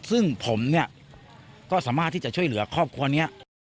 ซึ่งผมเนี่ยก็สามารถที่จะช่วยเหลือครอบครัวนี้